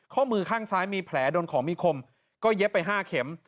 ข้อมือข้างซ้ายมีแผลโดนของมีคมก็เย็บไป๕เข็ม